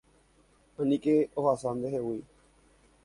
Aníke ohasa ndehegui.